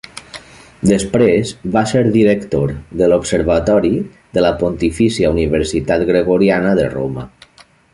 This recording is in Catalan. Després va ser director de l'Observatori de la Pontifícia Universitat Gregoriana de Roma.